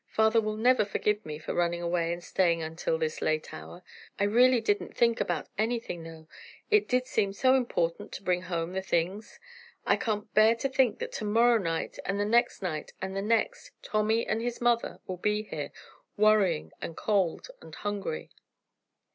Father will never forgive me for running away and staying until this late hour. I really didn't think about anything, though. It did seem so important to bring home the things. I can't bear to think that to morrow night and the next night and the next, Tommy and his mother will be here, worrying and cold and hungry."